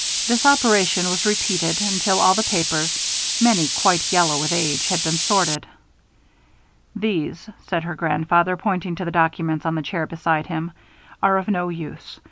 This operation was repeated until all the papers, many quite yellow with age, had been sorted. "These," said her grandfather, pointing to the documents on the chair beside him, "are of no use.